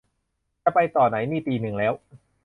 จะไปต่อไหน นี่ตีหนึ่งแล้ว